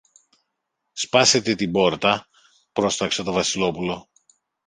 Σπάσετε την πόρτα, πρόσταξε το Βασιλόπουλο.